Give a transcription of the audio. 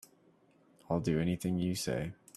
I'll do anything you say.